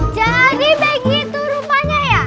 jadi begitu rupanya ya